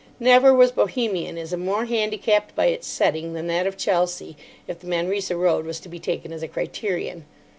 Never was Bohemianism more handicapped by its setting than that of Chelsea, if the Manresa Road was to be taken as a criterion.